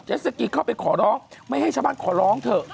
สสกีเข้าไปขอร้องไม่ให้ชาวบ้านขอร้องเถอะ